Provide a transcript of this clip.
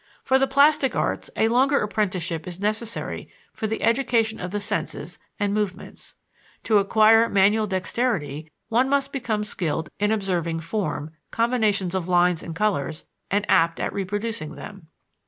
For the plastic arts a longer apprenticeship is necessary for the education of the senses and movements. To acquire manual dexterity one must become skilled in observing form, combinations of lines and colors, and apt at reproducing them.